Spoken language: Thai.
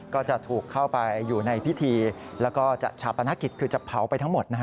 ก็จะถูกเข้าไปอยู่ในพิธีแล้วก็จะชาปนกิจคือจะเผาไปทั้งหมด